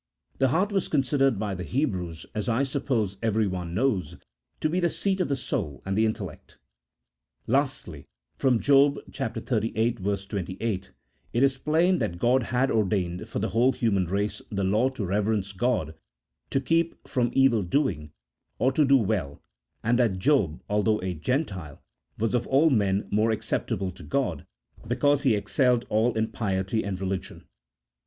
The heart was considered by the Hebrews, as I suppose every one knows, to be the seat of the soul and the intellect. Lastly, from Job xxxviii. 28, it is plain that God had or dained for the whole human race the law to reverence God, to keep from evil doing, or to do well, and that Job, although a Gentile, was of all men most acceptable to God, because he excelled all in piety and religion.